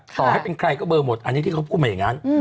ต่อให้เป็นใครก็เบอร์หมดอันนี้ที่เขาพูดมาอย่างนั้น